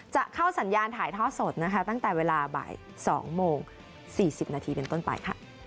จะเข้าสัญญาณถ่ายทอดสดนะคะตั้งแต่เวลาบ่าย๒โมง๔๐นาทีเป็นต้นไปค่ะ